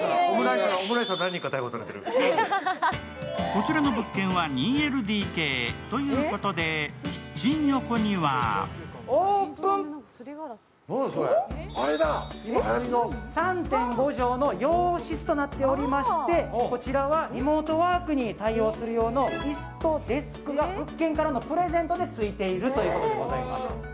こちらの物件は２ＬＤＫ。ということで、キッチン横には３．５畳の洋室となっていまして、リモートワークに対応する用の椅子とデスクが物件からのプレゼントでついているということでございます。